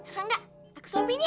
rangga aku suapin ya